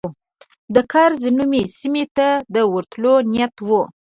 د کرز نومي سیمې ته د ورتلو نیت و.